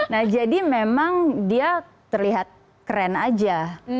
nah jadi memang dia terlihat keren aja